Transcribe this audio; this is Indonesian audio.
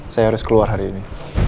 saya harus keluar hari ini